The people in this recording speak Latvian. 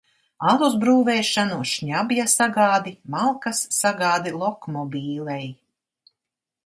Alus brūvēšanu, šņabja sagādi, malkas sagādi lokmobīlei.